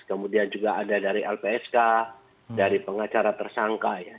kemudian juga ada dari lpsk dari pengacara tersangka ya